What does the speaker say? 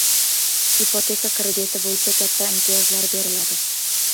Ipoteka krediti bo‘yicha katta imtiyozlar beriladi